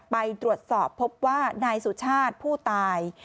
ไปตรวจสอบพบว่านายสุชาติผู้ตาย